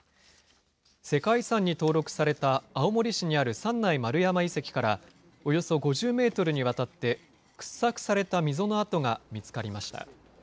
世界遺産に登録された青森市にある三内丸山遺跡から、およそ５０メートルにわたって、掘削された溝の跡が見つかりました。